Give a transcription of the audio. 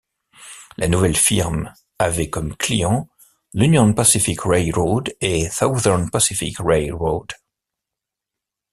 La nouvelle firme avait comme clients l'Union Pacific Railroad et Southern Pacific Railroad.